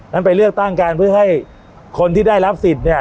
นั้นไปเลือกตั้งกันเพื่อให้คนที่ได้รับสิทธิ์เนี่ย